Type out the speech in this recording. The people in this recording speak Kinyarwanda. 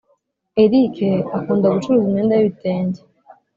Eric akunda gucuruza imyenda y’ibitenge